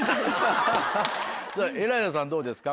さぁエライザさんどうですか？